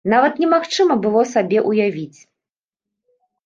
Нават немагчыма было сабе ўявіць!